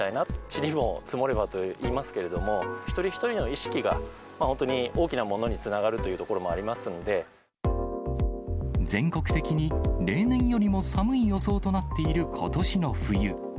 ちりも積もればといいますけれども、一人一人の意識が本当に大きなものにつながるというところもあり全国的に、例年よりも寒い予想となっていることしの冬。